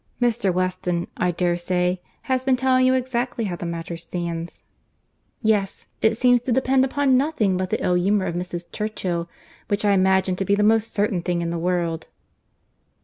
Mr. Weston, I dare say, has been telling you exactly how the matter stands?" "Yes—it seems to depend upon nothing but the ill humour of Mrs. Churchill, which I imagine to be the most certain thing in the world."